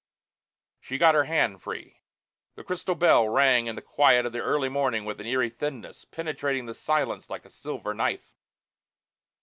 She got her hand free. The crystal bell rang in the quiet of the early morning with an eerie thinness, penetrating the silence like a silver knife.